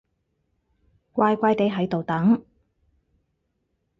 乖乖哋喺度等